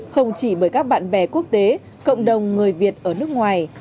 không chỉ bởi các bạn bè quốc tế cộng đồng người việt ở nước ngoài